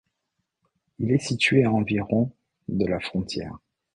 Il est situé à environ de la frontière.